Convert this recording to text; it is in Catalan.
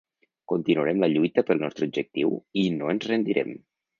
Continuarem la lluita pel nostre objectiu i no ens rendirem.